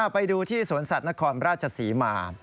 ไปดูที่สวนสัตว์นครราชศรีมา